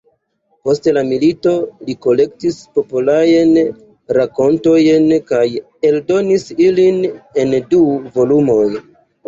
Post la milito, li kolektis popolajn rakontojn kaj eldonis ilin en du volumoj.